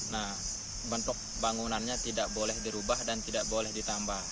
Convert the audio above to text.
nah bentuk bangunannya tidak boleh dirubah dan tidak boleh ditambah